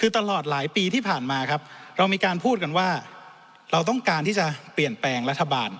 คือตลอดหลายปีที่ผ่านมาครับเรามีการพูดกันว่าเราต้องการที่จะเปลี่ยนแปลงรัฐบาล